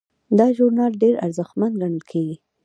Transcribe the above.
دا ژورنال ډیر ارزښتمن ګڼل کیږي.